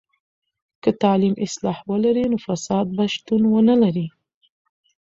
که تعلیم اصلاح ولري، نو فساد به شتون ونلري.